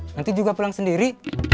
nanti juga pulang sendiri